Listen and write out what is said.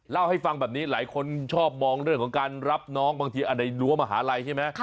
เล่าให้ฟังแบบนี้หลายคนชอบมองเรื่องของการรับน้องบางทีในรั้วมหาลัยใช่ไหม